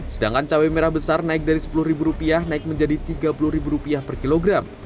sedangkan cabai merah besar naik dari sepuluh ribu rupiah naik menjadi tiga puluh ribu rupiah per kilogram